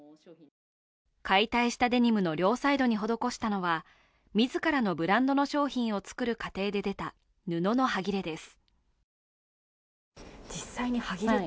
解体したデニムの両サイドに施したのは、自らのブランドの商品を作る過程で出た布のはぎれです。